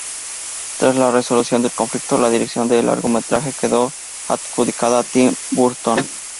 Tras la resolución del conflicto, la dirección del largometraje quedó adjudicada a Tim Burton.